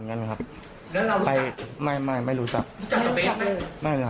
แล้วก็ไปในที่เกิดเห็นได้ไงคะ